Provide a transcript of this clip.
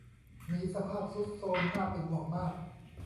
มีสภาพทรุดโทรมน่าเป็นห่วงมาก